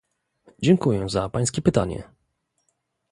Dziękuję za pańskie pytanie